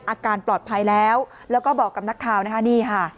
อาการปลอดภัยแล้วแล้วก็บอกกับนักข่าวนะคะนี่ค่ะ